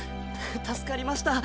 助かりました。